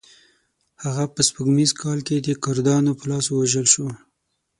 هغه په سپوږمیز کال کې د کردانو په لاس ووژل شو.